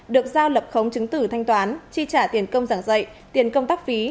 được giao lập khống chứng tử thanh toán chi trả tiền công giảng dạy tiền công tác phí